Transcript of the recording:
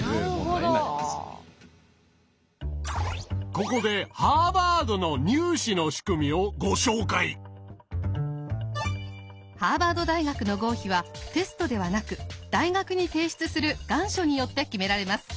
ここでハーバード大学の合否はテストではなく大学に提出する願書によって決められます。